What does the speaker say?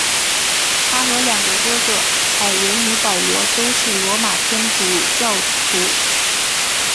他和两个哥哥凯文与保罗都是罗马天主教徒。